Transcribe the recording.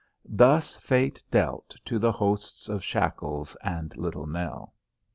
Thus fate dealt to the hosts of Shackles and Little Nell.